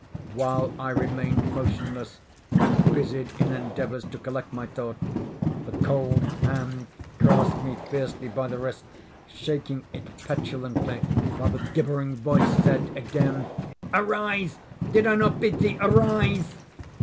While I remained motionless, and busied in endeavors to collect my thought, the cold hand grasped me fiercely by the wrist, shaking it petulantly, while the gibbering voice said again: "Arise! did I not bid thee arise?"